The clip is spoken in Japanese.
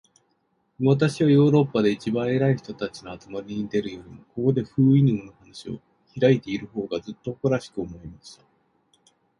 私はヨーロッパで一番偉い人たちの集まりに出るよりも、ここで、フウイヌムの話を開いている方が、ずっと誇らしく思えました。